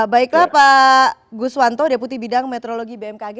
baiklah pak guswanto deputi bidang meteorologi bmkg